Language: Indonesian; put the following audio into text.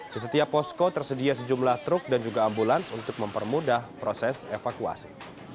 di setiap posko tersedia sejumlah truk dan juga ambulans untuk mempermudah proses evakuasi